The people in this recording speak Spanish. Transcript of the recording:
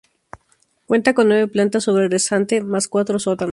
Cuenta con nueve plantas sobre rasante más cuatro sótanos.